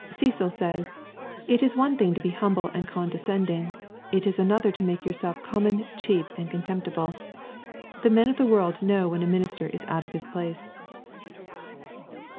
Cecil says, ^' It is one thing to be humble and condescending : it is another to make yourself com mon, cheap, and contemptible. The men of the world know when a minister is out of his place."